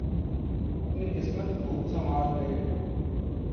اپنی قسمت خوب سنوار گئے۔